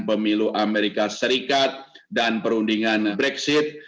pemilu amerika serikat dan perundingan brexit